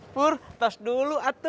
bur tas dulu atuh